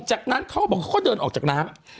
จากนั้นเขาก็บอกเขาก็เดินออกจากน้ำ